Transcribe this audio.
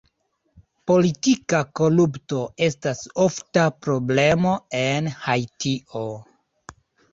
Politika korupto estas ofta problemo en Haitio.